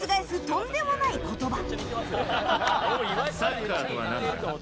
とんでもない言葉！